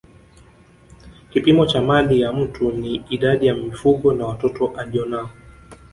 Kipimo cha mali ya mtu ni idadi ya mifugo na watoto alionao